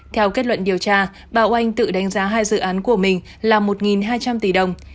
theo kết luận điều tra bà oanh tự đánh giá hai dự án của mình là một hai trăm linh tỷ đồng